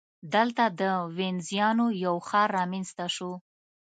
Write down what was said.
دلته د وینزیانو یو ښار رامنځته شو.